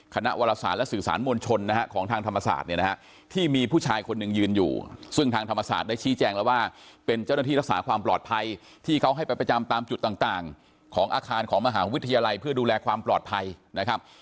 คณะวรศาสตร์และสื่อสารมวลชนนะฮะของทางธรรมศาสตร์เนี่ยนะฮะที่มีผู้ชายคนหนึ่งยืนอยู่ซึ่งทางธรรมศาสตร์ได้ชี้แจงแล้วว่าเป็นเจ้าหน้าที่รักษาความปลอดภัยที่เขาให้ไปประจำตามจุดต่างของอาคารของมหาวิทยาลัยเพื่อดูแลความปลอดภัยนะครับ